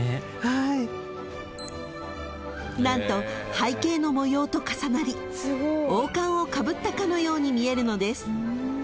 ［何と背景の模様と重なり王冠をかぶったかのように見えるのです］